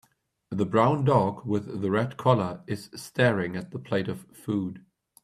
The brown dog with the red collar is staring at the plate of food.